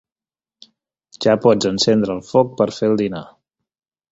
Ja pots encendre el foc per fer el dinar.